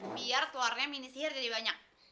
biar tuarnya mini sihir jadi banyak